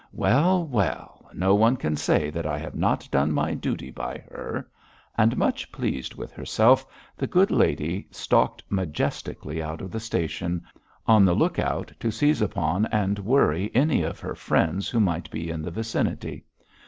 'Well! well! no one can say that I have not done my duty by her,' and much pleased with herself, the good lady stalked majestically out of the station, on the lookout to seize upon and worry any of her friends who might be in the vicinity.